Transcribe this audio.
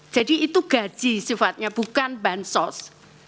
jadi itu gaji sifatnya bukan bansos